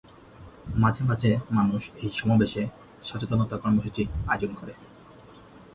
মাঝে মাঝে মানুষ এই সমাবেশে সচেতনতা কর্মসূচি আয়োজন করে।